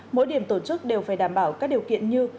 mỗi điểm tổ chức đều phải đảm bảo các điều kiện như